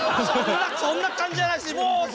そんな感じじゃないです！